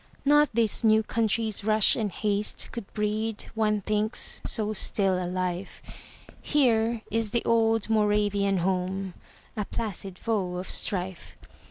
Not this new country's rush and haste Could breed, one thinks, so still a life; Here is the old Moravian home, A placid foe of strife.